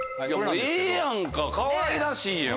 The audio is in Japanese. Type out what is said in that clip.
ええやんかかわいらしいやん。